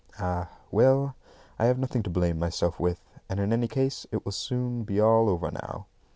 Ah, well, I have nothing to blame myself with; and in any case it will soon be all over now.